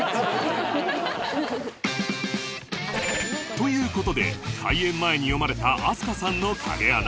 という事で開演前に読まれた飛鳥さんの影アナ